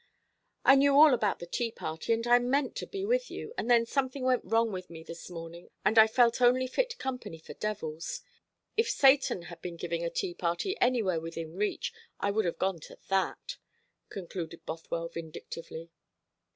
"I knew all about the tea party, and I meant to be with you; and then something went wrong with me this morning, and I felt only fit company for devils. If Satan had been giving a tea party anywhere within reach, I would have gone to that," concluded Bothwell vindictively.